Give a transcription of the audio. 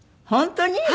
本当に？